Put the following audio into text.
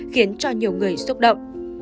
khiến cho nhiều người xúc động